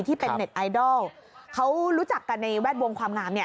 ที่เป็นเน็ตไอดอลเขารู้จักกันในแวดวงความงามเนี่ย